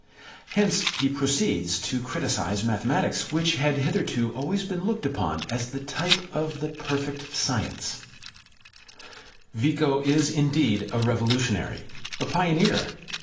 Hence he proceeds to criticize mathematics, which, had hitherto always been looked upon as the type of the perfect science. Vico is indeed a revolutionary, a pioneer.